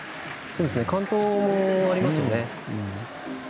完登もありますよね。